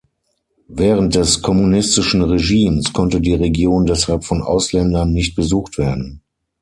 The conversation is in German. Während des kommunistischen Regimes konnte die Region deshalb von Ausländern nicht besucht werden.